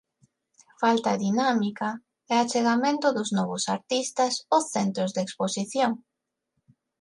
Falta dinámica e achegamento dos novos artistas aos centros de exposición.